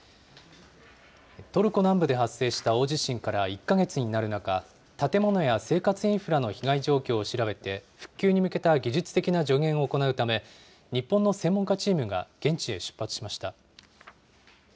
トルコ南部で発生した大地震から１か月になる中、建物や生活インフラの被害状況を調べて、復旧に向けた技術的な助言を行うため、日本の専門家チームが現地へ出発しました。